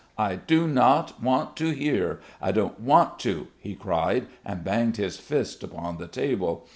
I do not want to hear! I don't want to," he cried and banged his fist upon the table.